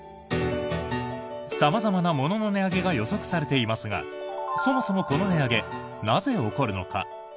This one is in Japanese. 様々な物の値上げが予測されていますがそもそも、この値上げなぜ起こるのか？